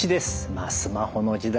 まあスマホの時代